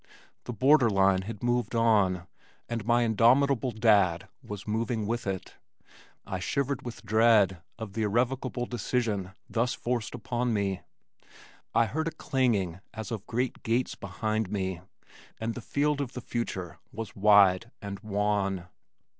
The border line had moved on, and my indomitable Dad was moving with it. I shivered with dread of the irrevocable decision thus forced upon me. I heard a clanging as of great gates behind me and the field of the future was wide and wan.